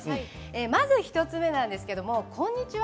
まず１つ目なんですけどこんにちは